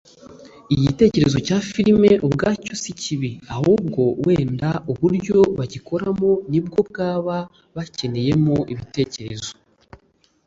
Igitekerezo cya filime ubwacyo si kibi ahubwo wenda uburyo bagikoramo nibwo baba bakeneyemo ibitekerezo